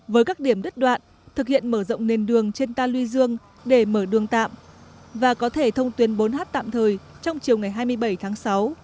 với các điểm đứt đoạn thực hiện mở rộng nền đường trên ta lưu dương để mở đường tạm và có thể thông tuyến bốn h tạm thời trong chiều ngày hai mươi bảy tháng sáu